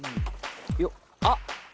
よっあっ。